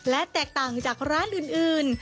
และแตกต่างจากร้านอื่น